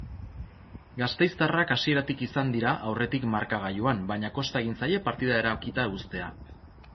Gasteiztarrak hasieratik izan dira aurretik markagailuan baina kosta egin zaie partida erabakita uztea.